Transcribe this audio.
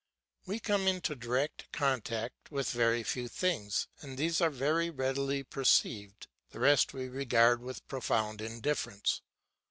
We come into direct contact with very few things, and these are very readily perceived; the rest we regard with profound indifference.